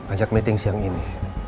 ajak meeting siang ini